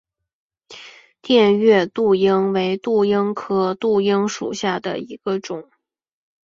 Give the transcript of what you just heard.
滇越杜英为杜英科杜英属下的一个种。